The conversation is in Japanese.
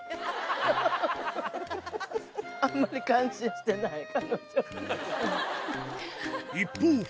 あまり感心してない、彼女。